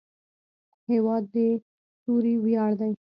هېواد د توري ویاړ دی.